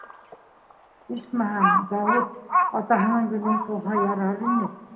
Исмаһам, Дауыт атаһының юлын ҡыуһа ярар ине.